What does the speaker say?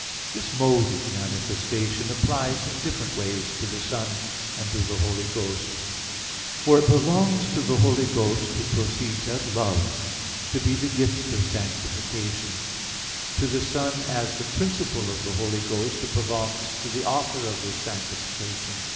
This mode of manifestation applies in different ways to the Son and to the Holy Ghost. For it belongs to the Holy Ghost, Who proceeds as Love, to be the gift of sanctification; to the Son as the principle of the Holy Ghost, it belongs to the author of this sanctification.